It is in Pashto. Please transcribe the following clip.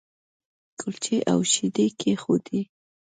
مور یې په مېز باندې کلچې او شیدې کېښودې